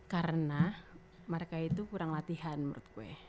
karena mereka itu kurang latihan menurut gue